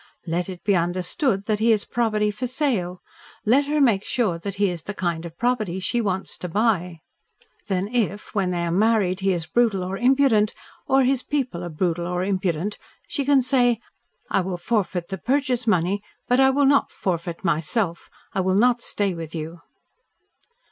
Let it be understood that he is property for sale, let her make sure that he is the kind of property she wants to buy. Then, if, when they are married, he is brutal or impudent, or his people are brutal or impudent, she can say, 'I will forfeit the purchase money, but I will not forfeit myself. I will not stay with you.'"